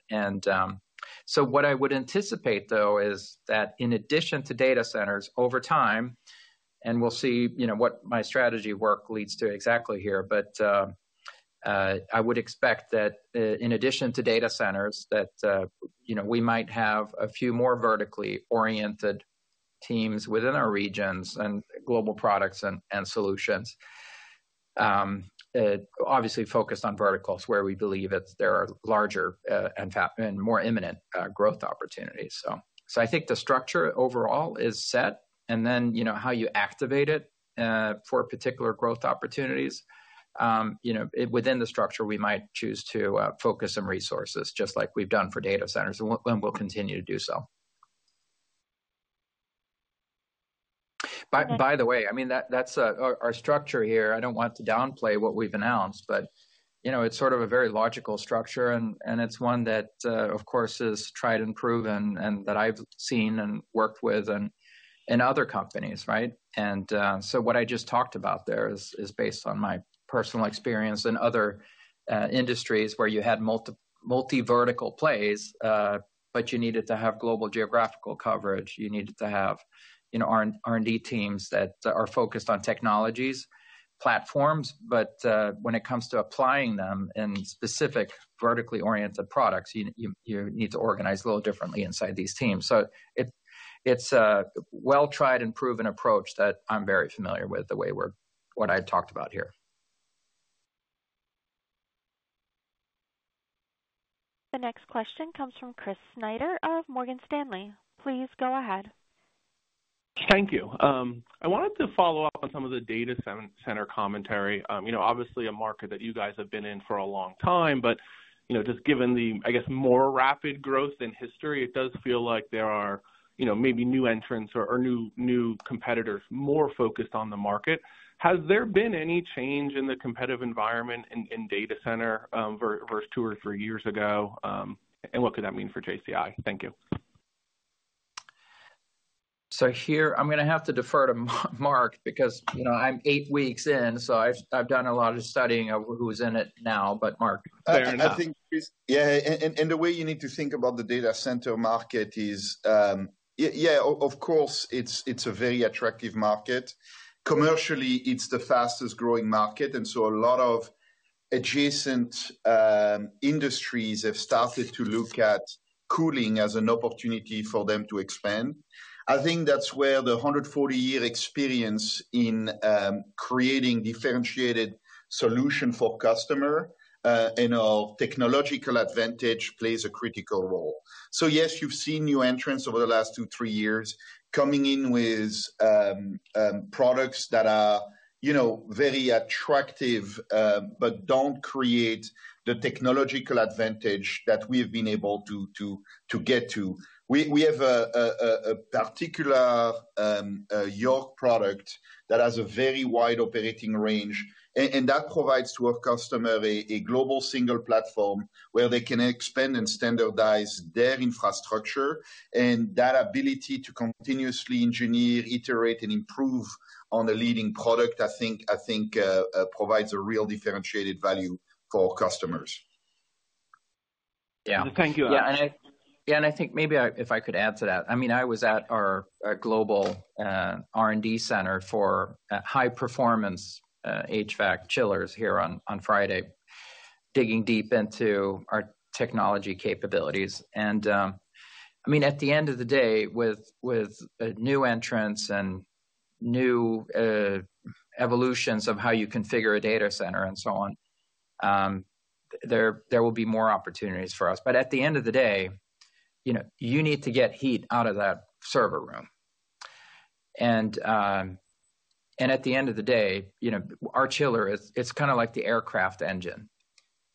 What I would anticipate, though, is that in addition to data centers over time, and we'll see what my strategy work leads to exactly here, but I would expect that in addition to data centers, we might have a few more vertically oriented teams within our regions and global products and solutions, obviously focused on verticals where we believe there are larger and more imminent growth opportunities. I think the structure overall is set. Then how you activate it for particular growth opportunities, within the structure, we might choose to focus some resources just like we've done for data centers, and we'll continue to do so. By the way, I mean, that's our structure here. I don't want to downplay what we've announced, but it's sort of a very logical structure. It is one that, of course, is tried and proven and that I've seen and worked with in other companies, right? What I just talked about there is based on my personal experience in other industries where you had multi-vertical plays, but you needed to have global geographical coverage. You needed to have R&D teams that are focused on technologies, platforms. When it comes to applying them in specific vertically oriented products, you need to organize a little differently inside these teams. It is a well-tried and proven approach that I'm very familiar with the way what I've talked about here. The next question comes from Chris Snyder of Morgan Stanley. Please go ahead. Thank you. I wanted to follow up on some of the data center commentary. Obviously, a market that you guys have been in for a long time, but just given the, I guess, more rapid growth in history, it does feel like there are maybe new entrants or new competitors more focused on the market. Has there been any change in the competitive environment in data center versus two or three years ago? What could that mean for JCI? Thank you. I'm going to have to defer to Marc because I'm eight weeks in, so I've done a lot of studying of who's in it now, but Marc. Fair enough. Yeah. The way you need to think about the data center market is, yeah, of course, it is a very attractive market. Commercially, it is the fastest growing market. A lot of adjacent industries have started to look at cooling as an opportunity for them to expand. I think that is where the 140-year experience in creating differentiated solutions for customers and our technological advantage plays a critical role. Yes, you have seen new entrants over the last two, three years coming in with products that are very attractive but do not create the technological advantage that we have been able to get to. We have a particular York product that has a very wide operating range. That provides to our customer a global single platform where they can expand and standardize their infrastructure. That ability to continuously engineer, iterate, and improve on a leading product, I think provides a real differentiated value for customers. Yeah. Thank you. Yeah. I think maybe if I could add to that, I mean, I was at our global R&D center for high-performance HVAC chillers here on Friday, digging deep into our technology capabilities. I mean, at the end of the day, with new entrants and new evolutions of how you configure a data center and so on, there will be more opportunities for us. At the end of the day, you need to get heat out of that server room. At the end of the day, our chiller, it's kind of like the aircraft engine.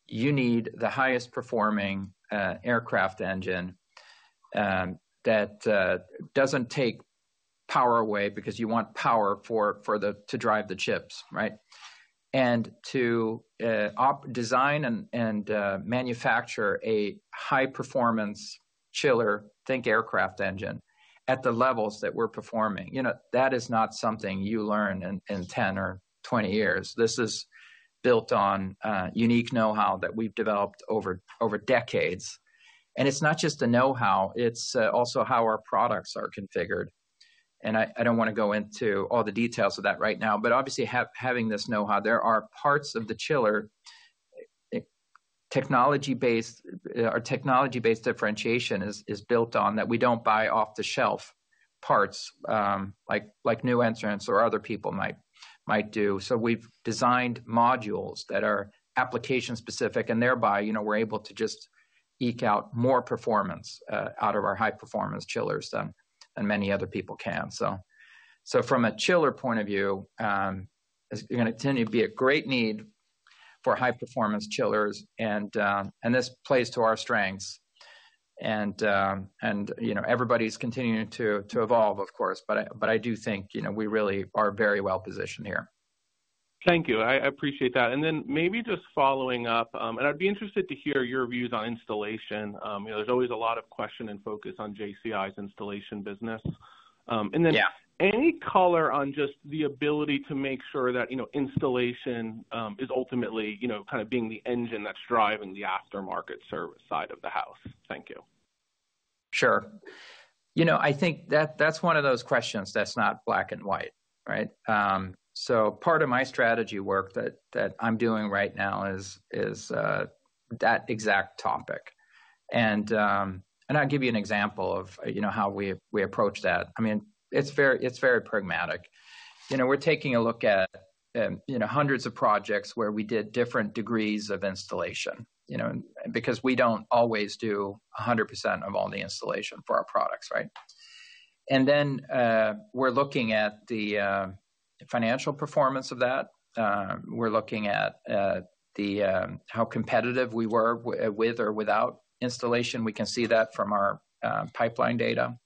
You need the highest-performing aircraft engine that does not take power away because you want power to drive the chips, right? To design and manufacture a high-performance chiller, think aircraft engine, at the levels that we are performing, that is not something you learn in 10 or 20 years. This is built on unique know-how that we've developed over decades. It's not just the know-how. It's also how our products are configured. I don't want to go into all the details of that right now. Obviously, having this know-how, there are parts of the chiller technology-based differentiation is built on that we don't buy off-the-shelf parts like new entrants or other people might do. We've designed modules that are application-specific, and thereby, we're able to just eke out more performance out of our high-performance chillers than many other people can. From a chiller point of view, there's going to continue to be a great need for high-performance chillers. This plays to our strengths. Everybody's continuing to evolve, of course. I do think we really are very well positioned here. Thank you. I appreciate that. Maybe just following up, I'd be interested to hear your views on installation. There's always a lot of question and focus on JCI's installation business. Any color on just the ability to make sure that installation is ultimately kind of being the engine that's driving the aftermarket service side of the house? Thank you. Sure. I think that's one of those questions that's not black and white, right? Part of my strategy work that I'm doing right now is that exact topic. I'll give you an example of how we approach that. I mean, it's very pragmatic. We're taking a look at hundreds of projects where we did different degrees of installation because we don't always do 100% of all the installation for our products, right? We're looking at the financial performance of that. We're looking at how competitive we were with or without installation. We can see that from our pipeline data.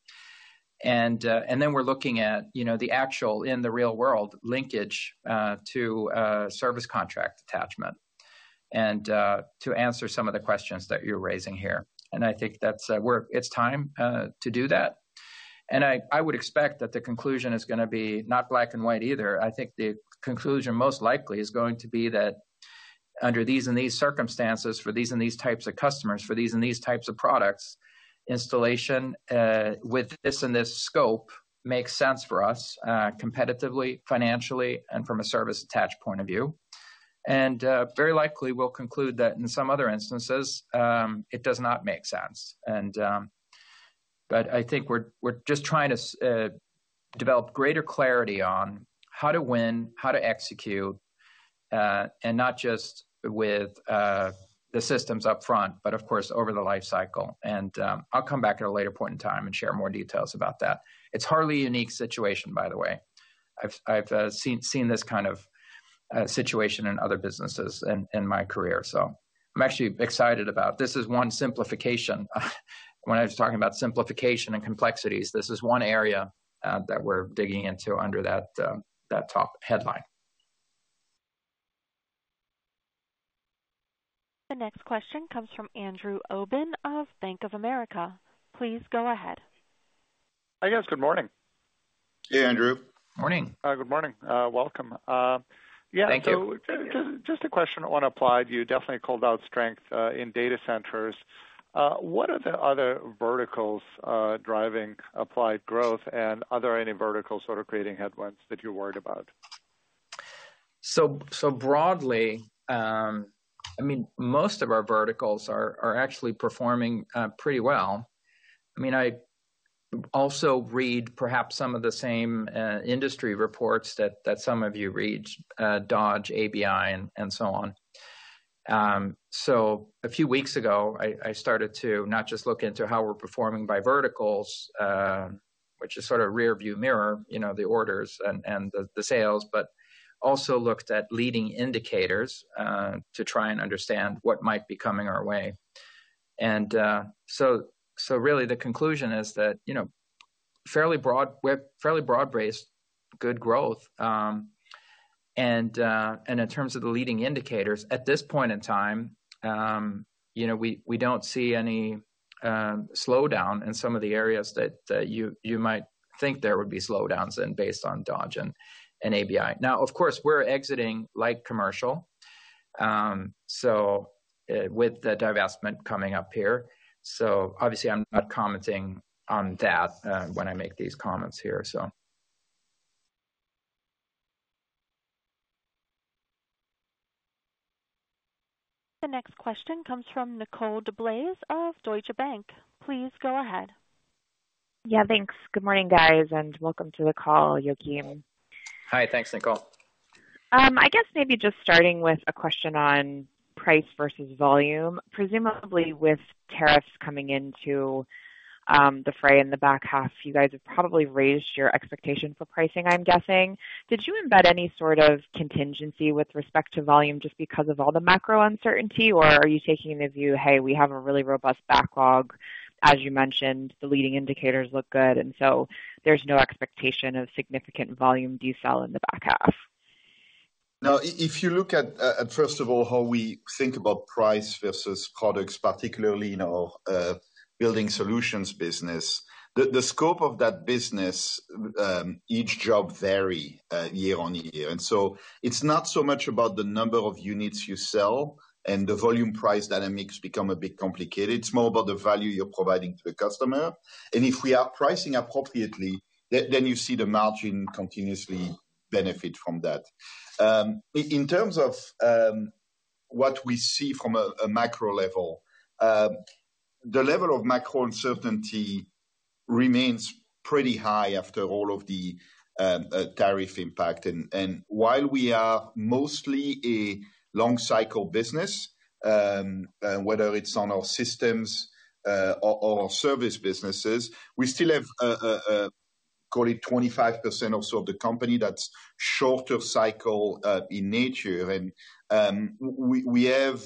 We're looking at the actual in the real world linkage to service contract attachment to answer some of the questions that you're raising here. I think it's time to do that. I would expect that the conclusion is going to be not black and white either. I think the conclusion most likely is going to be that under these and these circumstances for these and these types of customers, for these and these types of products, installation with this and this scope makes sense for us competitively, financially, and from a service attached point of view. Very likely, we'll conclude that in some other instances, it does not make sense. I think we're just trying to develop greater clarity on how to win, how to execute, and not just with the systems upfront, but of course, over the life cycle. I'll come back at a later point in time and share more details about that. It's a hardly unique situation, by the way. I've seen this kind of situation in other businesses in my career. I'm actually excited about this. This is one simplification. When I was talking about simplification and complexities, this is one area that we're digging into under that top headline. The next question comes from Andrew Obin of Bank of America. Please go ahead. Hi, guys. Good morning. Hey, Andrew. Morning. Good morning. Welcome. Thank you. Just a question on applied. You definitely called out strength in data centers. What are the other verticals driving applied growth? Are there any verticals sort of creating headwinds that you're worried about? Broadly, I mean, most of our verticals are actually performing pretty well. I mean, I also read perhaps some of the same industry reports that some of you read, Dodge, ABI, and so on. A few weeks ago, I started to not just look into how we're performing by verticals, which is sort of rearview mirror, the orders and the sales, but also looked at leading indicators to try and understand what might be coming our way. The conclusion is that fairly broad-based good growth. In terms of the leading indicators, at this point in time, we do not see any slowdown in some of the areas that you might think there would be slowdowns in based on Dodge and ABI. Of course, we are exiting light commercial with the divestment coming up here. Obviously, I'm not commenting on that when I make these comments here, so. The next question comes from Nicole DeBlase of Deutsche Bank. Please go ahead. Yeah, thanks. Good morning, guys, and welcome to the call, Joakim. Hi, thanks, Nicole. I guess maybe just starting with a question on price versus volume. Presumably, with tariffs coming into the fray in the back half, you guys have probably raised your expectation for pricing, I'm guessing. Did you embed any sort of contingency with respect to volume just because of all the macro uncertainty, or are you taking the view, "Hey, we have a really robust backlog," as you mentioned, the leading indicators look good, and so there's no expectation of significant volume decel in the back half? Now, if you look at, first of all, how we think about price versus products, particularly in our building solutions business, the scope of that business, each job varies year on year. It is not so much about the number of units you sell, and the volume price dynamics become a bit complicated. It is more about the value you are providing to the customer. If we are pricing appropriately, then you see the margin continuously benefit from that. In terms of what we see from a macro level, the level of macro uncertainty remains pretty high after all of the tariff impact. While we are mostly a long-cycle business, whether it is on our systems or service businesses, we still have, call it, 25% or so of the company that is shorter cycle in nature. We have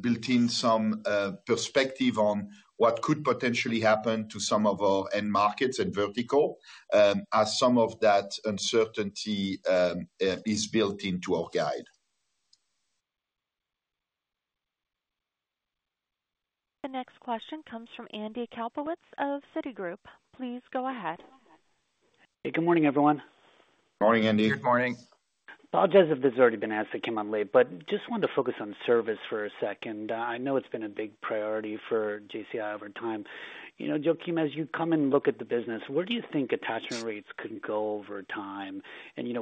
built in some perspective on what could potentially happen to some of our end markets and verticals as some of that uncertainty is built into our guide. The next question comes from Andy Kaplowitz of Citigroup. Please go ahead. Hey, good morning, everyone. Morning, Andy. Good morning. Apologize if this has already been asked. I came on late, but just wanted to focus on service for a second. I know it's been a big priority for JCI over time. Joakim, as you come and look at the business, where do you think attachment rates could go over time?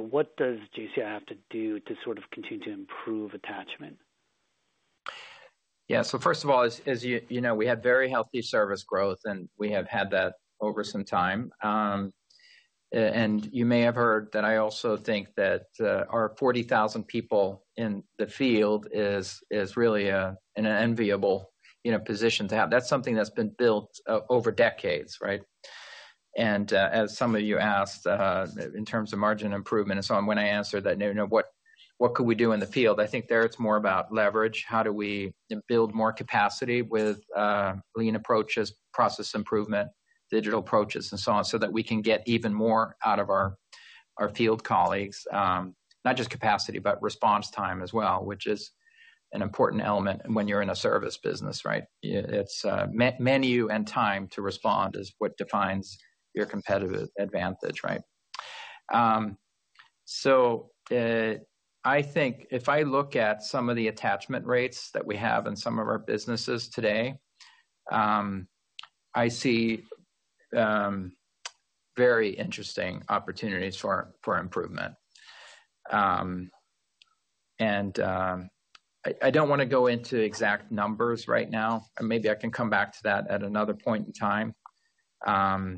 What does JCI have to do to sort of continue to improve attachment? Yeah. First of all, as you know, we have very healthy service growth, and we have had that over some time. You may have heard that I also think that our 40,000 people in the field is really in an enviable position to have. That's something that's been built over decades, right? As some of you asked, in terms of margin improvement and so on, when I answered that, what could we do in the field? I think there it's more about leverage. How do we build more capacity with lean approaches, process improvement, digital approaches, and so on, so that we can get even more out of our field colleagues? Not just capacity, but response time as well, which is an important element when you're in a service business, right? It's menu and time to respond is what defines your competitive advantage, right? I think if I look at some of the attachment rates that we have in some of our businesses today, I see very interesting opportunities for improvement. I don't want to go into exact numbers right now. Maybe I can come back to that at another point in time. I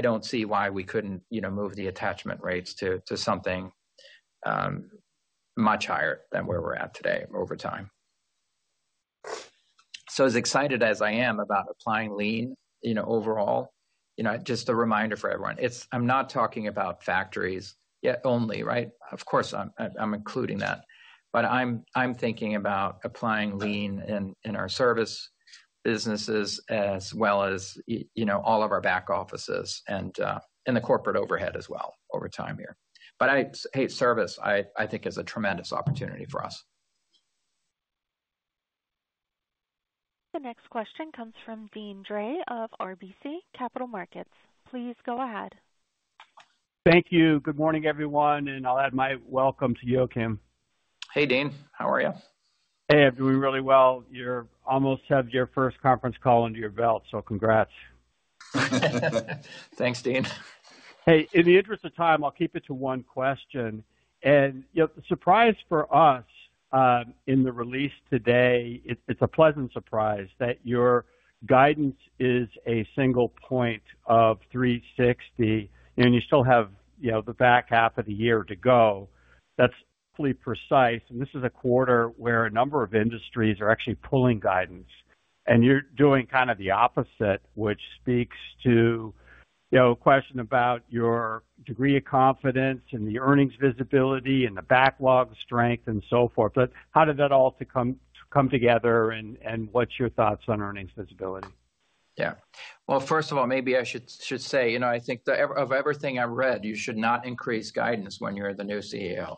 don't see why we couldn't move the attachment rates to something much higher than where we're at today over time. As excited as I am about applying lean overall, just a reminder for everyone, I'm not talking about factories only, right? Of course, I'm including that. I'm thinking about applying lean in our service businesses as well as all of our back offices and the corporate overhead as well over time here. I hate service, I think, is a tremendous opportunity for us. The next question comes from Deane Dray of RBC Capital Markets. Please go ahead. Thank you. Good morning, everyone. I will add my welcome to you, Joakim. Hey, Deane. How are you? Hey, I'm doing really well. You almost have your first conference call under your belt, so congrats. Thanks, Dean. Hey, in the interest of time, I'll keep it to one question. The surprise for us in the release today, it's a pleasant surprise that your guidance is a single point of $3.60, and you still have the back half of the year to go. That's perfectly precise. This is a quarter where a number of industries are actually pulling guidance. You're doing kind of the opposite, which speaks to a question about your degree of confidence and the earnings visibility and the backlog strength and so forth. How did that all come together, and what's your thoughts on earnings visibility? Yeah. First of all, maybe I should say, I think of everything I've read, you should not increase guidance when you're the new CEO.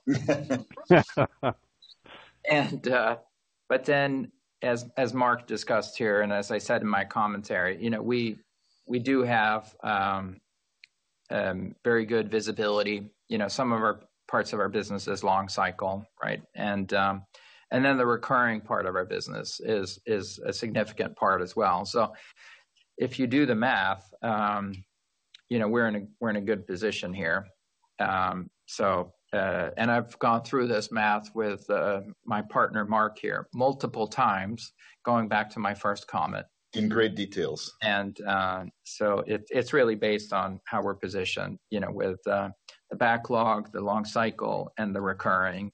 As Marc discussed here, and as I said in my commentary, we do have very good visibility. Some parts of our business are long cycle, right? The recurring part of our business is a significant part as well. If you do the math, we're in a good position here. I've gone through this math with my partner, Marc, here multiple times, going back to my first comment. In great details. It is really based on how we're positioned with the backlog, the long cycle, and the recurring,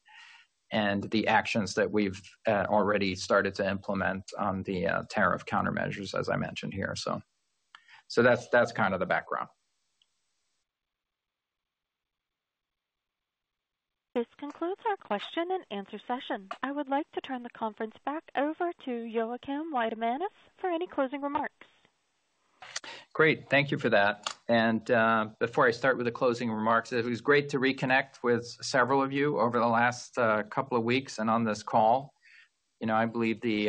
and the actions that we've already started to implement on the tariff countermeasures, as I mentioned here. That is kind of the background. This concludes our question and answer session. I would like to turn the conference back over to Joakim Weidemanis for any closing remarks. Great. Thank you for that. Before I start with the closing remarks, it was great to reconnect with several of you over the last couple of weeks and on this call. I believe the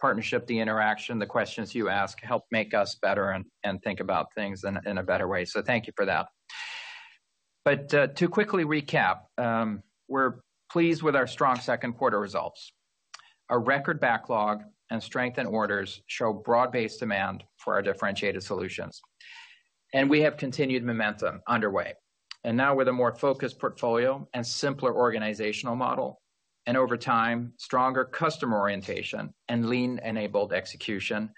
partnership, the interaction, the questions you ask help make us better and think about things in a better way. Thank you for that. To quickly recap, we're pleased with our strong second quarter results. Our record backlog and strengthened orders show broad-based demand for our differentiated solutions. We have continued momentum underway. Now, with a more focused portfolio and simpler organizational model, and over time, stronger customer orientation and lean-enabled execution,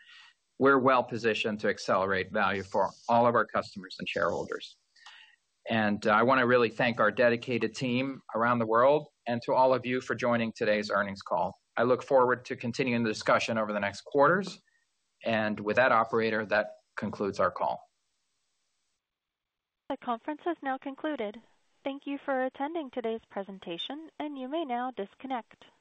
we're well positioned to accelerate value for all of our customers and shareholders. I want to really thank our dedicated team around the world and all of you for joining today's earnings call. I look forward to continuing the discussion over the next quarters. With that, operator, that concludes our call. The conference has now concluded. Thank you for attending today's presentation, and you may now disconnect.